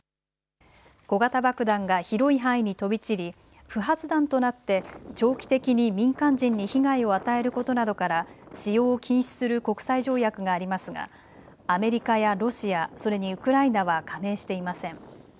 小型爆弾が広い範囲に飛び散り不発弾となって長期的に民間人に被害を与えることなどから使用を禁止する国際条約がありますがアメリカやロシア、それにウクライナは加盟していません。